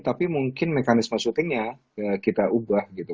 tapi mungkin mekanisme syutingnya kita ubah gitu